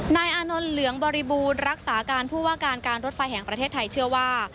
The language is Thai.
อานนท์เหลืองบริบูรณ์รักษาการผู้ว่าการการรถไฟแห่งประเทศไทยเชื่อว่า